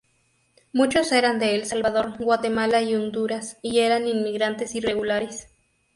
Muchos eran de El Salvador, Guatemala y Honduras, y eran inmigrantes irregulares.